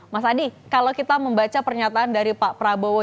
mas adi kalau kita membaca pernyataan dari pak prabowo